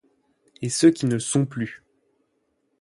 Et ceux qui ne sont plus !